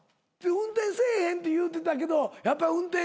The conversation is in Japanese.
運転せえへんって言うてたけどやっぱ運転。